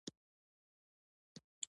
یو جول د ځواک او فاصلې ضرب دی.